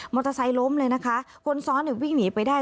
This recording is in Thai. เตอร์ไซค์ล้มเลยนะคะคนซ้อนเนี่ยวิ่งหนีไปได้